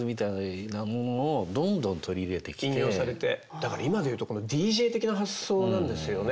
だから今で言うとこのＤＪ的な発想なんですよね。